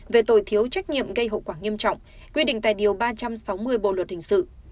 về tội thiếu trách nhiệm gây hậu quả nghiêm trọng quy định tại điều ba trăm sáu mươi bộ luật hình sự